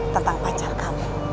tentang pacar kamu